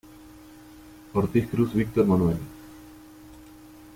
Ortiz Cruz Víctor Manuel.